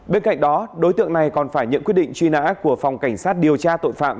bên cạnh đó đối tượng này còn phải nhận quyết định truy nã của phòng cảnh sát điều tra tội phạm